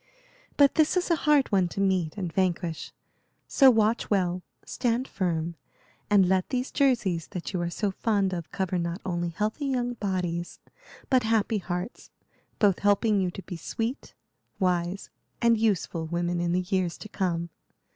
But this is a hard one to meet and vanquish; so watch well, stand firm, and let these jerseys that you are so fond of cover not only healthy young bodies but happy hearts, both helping you to be sweet, wise, and useful women in the years to come.